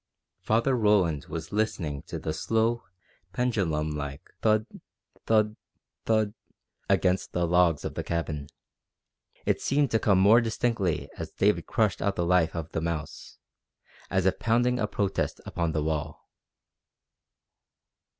Father Roland was listening to the slow, pendulum like thud, thud, thud, against the logs of the cabin. It seemed to come more distinctly as David crushed out the life of the mouse, as if pounding a protest upon the wall.